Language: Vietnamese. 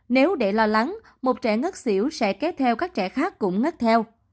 nếu để lo lắng một trẻ ngất xỉu sẽ kéo theo các trẻ khác cũng ngất theo